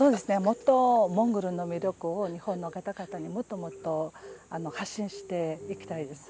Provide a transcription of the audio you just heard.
モンゴルの魅力を日本の方々にもっともっと発信していきたいと思います。